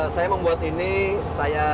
saya membuat ini saya